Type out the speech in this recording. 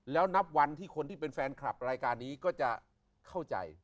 แล้วนับวันที่คนที่เป็นแฟนคลับรายการนี้ก็จะเข้าใจ